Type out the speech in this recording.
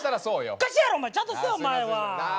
おかしいやろお前ちゃんとせえお前は。